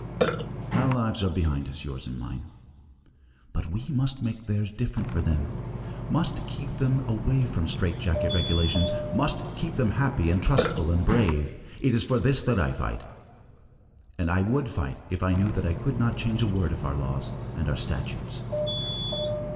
Our lives are behind us, yours and mine. But we must make theirs different for them, must keep them away from strait jacket regulations, must keep them happy and trustful and brave! It is for this that I fight! And I would fight if I knew that I could not change a word of our laws and our statutes!'